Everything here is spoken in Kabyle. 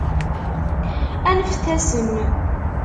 Aneft-asen!